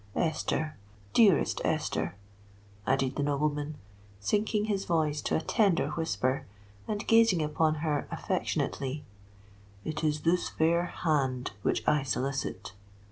Esther—dearest Esther," added the nobleman, sinking his voice to a tender whisper, and gazing upon her affectionately, "it is this fair hand which I solicit!"